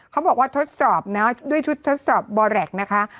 เขาบอกว่าทดสอบนะด้วยชุดทดสอบบอแรคนะคะ